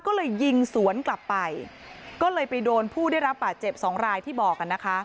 ก็เลยยิงสวนกลับไปก็เลยไปโดนผู้ได้รับบาดเจ็บสองรายที่บอกกันนะคะ